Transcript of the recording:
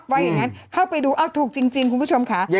ว่าอย่างนั้นเข้าไปดูเอาถูกจริงคุณผู้ชมค่ะ